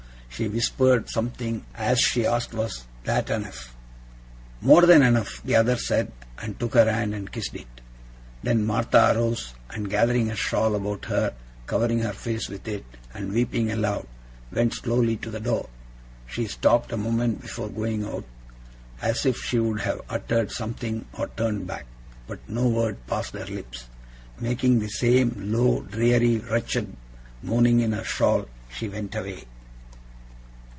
She whispered something, as she asked was that enough? 'More than enough,' the other said, and took her hand and kissed it. Then Martha arose, and gathering her shawl about her, covering her face with it, and weeping aloud, went slowly to the door. She stopped a moment before going out, as if she would have uttered something or turned back; but no word passed her lips. Making the same low, dreary, wretched moaning in her shawl, she went away.